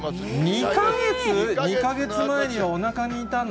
２か月前におなかにいたの？